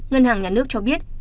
ngân hàng nhà nước cho biết